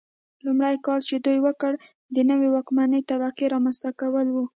لومړنی کار چې دوی وکړ د نوې واکمنې طبقې رامنځته کول و.